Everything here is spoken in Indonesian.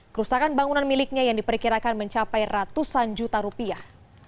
kerusakan bangunan miliknya yang diperkirakan mencapai ratusan juta rupiah